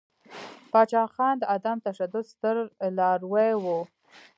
پاچاخان د عدم تشدد ستر لاروی ؤ.